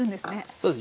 そうです